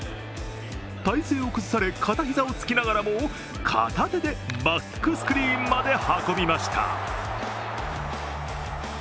体勢を崩され片膝をつきながらも片手でバックスクリーンまで運びました。